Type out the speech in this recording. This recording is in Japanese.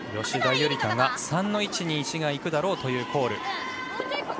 吉田夕梨花が３の位置に石がいくだろうというコール。